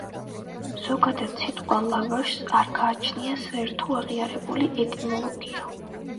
ზოგადად სიტყვა „ლავაშს“ არ გააჩნია საერთო აღიარებული ეტიმოლოგია.